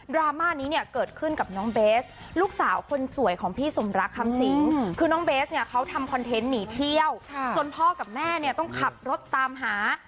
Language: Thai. ราม่านี้เนี่ยเกิดขึ้นกับน้องเบสลูกสาวคนสวยของพี่สมรักคำสิงคือน้องเบสเนี่ยเขาทำคอนเทนต์หนีเที่ยวจนพ่อกับแม่เนี่ยต้องขับรถตามหา